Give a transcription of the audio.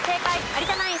有田ナイン